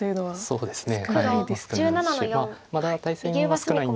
そうですね。